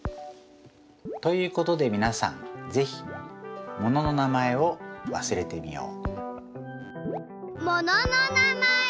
ということでみなさんぜひものの名前を忘れてみよう！